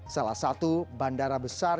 salah satu bandara besar